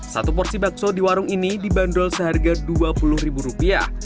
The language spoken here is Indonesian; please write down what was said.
satu porsi bakso di warung ini dibandol seharga dua puluh ribu rupiah